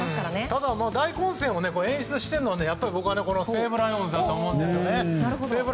ただ、大混戦を演出しているのは僕は西武ライオンズだと思うんです。